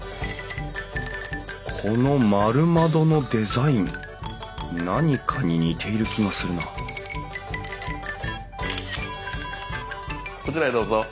この丸窓のデザイン何かに似ている気がするなこちらへどうぞ。